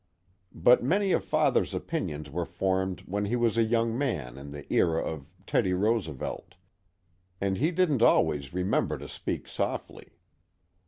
But many of Father's opinions were formed when he was a young man in the era of Teddy Roosevelt, and he didn't always remember to speak softly.